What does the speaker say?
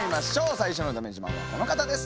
最初のだめ自慢はこの方です。